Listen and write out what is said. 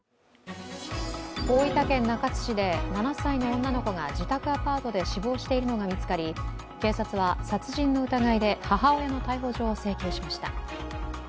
大分県中津市で７歳の女の子が自宅アパートで死亡しているのが見つかり警察は殺人の疑いで母親の逮捕状を請求しました。